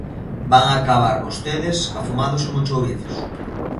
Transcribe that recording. Van acabar vostedes afumados como chourizos.